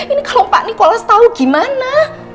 ini kalau pak nicholas tau gimana